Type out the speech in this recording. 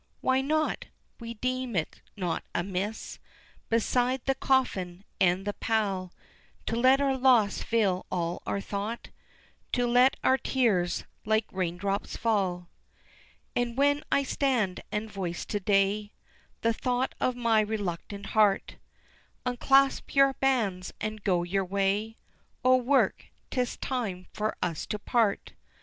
Why not? We deem it not amiss Beside the coffin and the pall To let our loss fill all our thought, To let our tears like raindrops fall. And when I stand and voice to day The thought of my reluctant heart, Unclasp your bands and go your way O work, 'tis time for us to part!